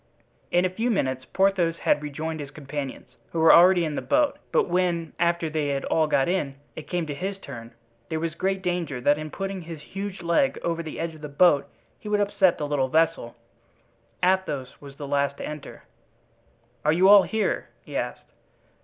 In a few minutes Porthos had rejoined his companions, who were already in the boat; but when, after they had all got in, it came to his turn, there was great danger that in putting his huge leg over the edge of the boat he would upset the little vessel. Athos was the last to enter. "Are you all here?" he asked.